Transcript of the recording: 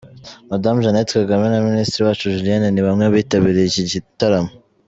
Madamu Jeannette Kagame na Minisitiri Uwacu Julienne ni bamwe mu bitabiriye iki gitaramo.